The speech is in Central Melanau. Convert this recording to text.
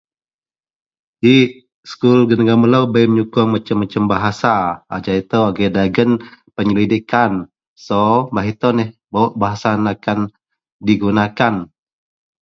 Yik sekul dagen melo bei menyukuong masem- masem bahasa ajau ito agei dagen penyelidikkan so beh ito neh barouk bahasa ito akan digunakan.